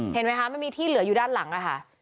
เห็นไหมคะมันมีที่เหลืออยู่ด้านหลังอะค่ะ